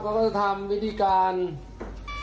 ก็จะทำวิธีการ